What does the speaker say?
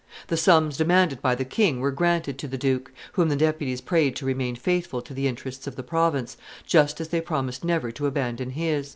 The sums demanded by the king were granted to the duke, whom the deputies prayed to remain faithful to the interests of the province, just as they promised never to abandon his.